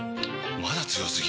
まだ強すぎ？！